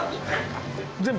全部？